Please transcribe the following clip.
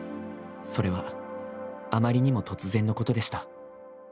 それはあまりにも突然のことでした。